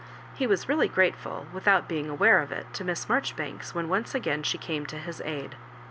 He was really grateful, without being aware of it, to Miss Miujoribanks, when once again sho came to his aid.